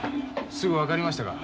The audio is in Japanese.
すぐ分かりましたか？